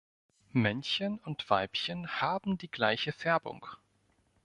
Männchen und Weibchen haben die gleiche Färbung.